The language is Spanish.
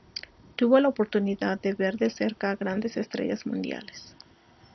Tuvo la oportunidad de ver de cerca a grandes estrellas mundiales.